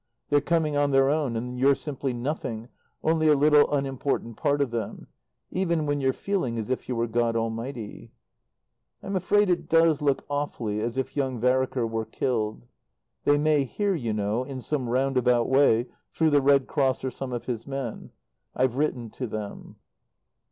They're coming on their own, and you're simply nothing, only a little unimportant part of them even when you're feeling as if you were God Almighty. I'm afraid it does look awfully as if young Vereker were killed. They may hear, you know, in some roundabout way through the Red Cross, or some of his men. I've written to them.